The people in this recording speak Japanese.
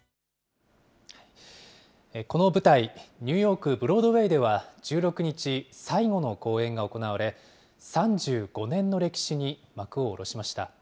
この舞台、ニューヨーク・ブロードウェイでは１６日、最後の公演が行われ、３５年の歴史に幕を下ろしました。